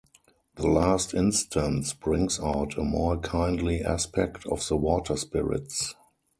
The last instance brings out a more kindly aspect of the water-spirits.